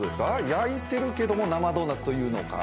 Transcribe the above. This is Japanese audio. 焼いているけど生ドーナツというのか。